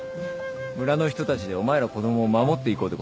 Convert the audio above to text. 村の人たちでお前ら子供を守っていこうってことだ。